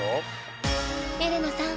エレナさん